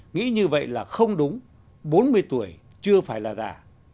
nghĩ như vậy là không đúng bốn mươi tuổi chưa phải là giả